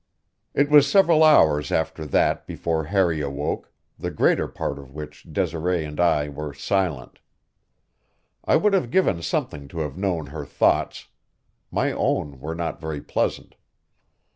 It was several hours after that before Harry awoke, the greater part of which Desiree and I were silent. I would have given something to have known her thoughts; my own were not very pleasant.